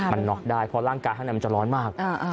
มันน็อกได้เพราะร่างกายข้างในมันจะร้อนมาก